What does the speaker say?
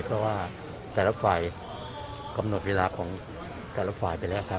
เพราะว่าแต่ละฝ่ายกำหนดเวลาของแต่ละฝ่ายไปแล้วครับ